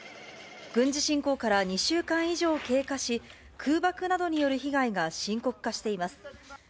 軍事侵攻から２週間以上経過し、空爆などによる被害が深刻化しています。